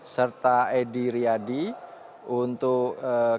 serta edy riadi untuk kamar perdata